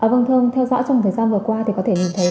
vâng thưa ông theo dõi trong thời gian vừa qua thì có thể nhìn thấy